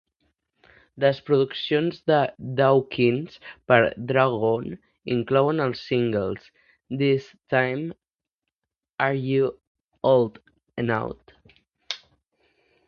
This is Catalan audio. Les produccions de Dawkins per Dragon incloïen els singles "This Time", "Are You Old Enough?